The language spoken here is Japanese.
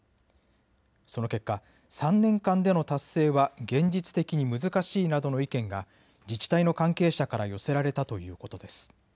その結果、３年間での達成は現実的に難しいなどの意見が自治体の関係者から寄せられたということです。